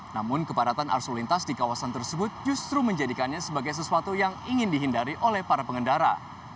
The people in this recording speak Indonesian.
namun kepadatan arsul lintas di kawasan tersebut justru menjadikannya sebagai sesuatu yang ingin dihindari oleh para pengendara